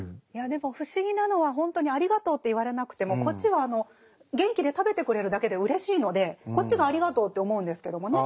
でも不思議なのはほんとにありがとうって言われなくてもこっちは元気で食べてくれるだけでうれしいのでこっちがありがとうって思うんですけどもね。